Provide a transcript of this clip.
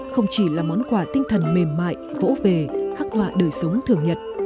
không chỉ là món quà tinh thần mềm mại vỗ về khắc họa đời sống thường nhật